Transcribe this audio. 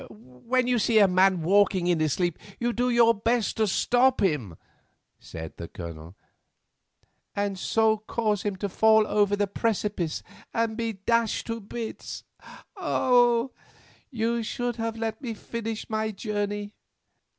"When you see a man walking in his sleep you do your best to stop him," said the Colonel. "And so cause him to fall over the precipice and be dashed to bits. Oh! you should have let me finish my journey.